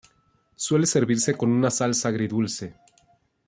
Suele servirse con una salsa agridulce.